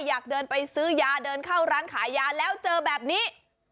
อยากเดินไปซื้อยาเดินเข้าร้านขายยาแล้วเจอแบบนี้